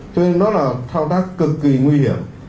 cho nên nó là thao tác cực kỳ nguy hiểm